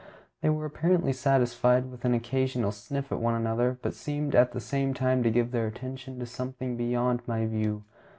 They were apparently satisfied with an occasional sniff at one another, but seemed at the same time to give their attention to something beyond my view.